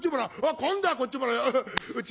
今度はこっちもらうよ」。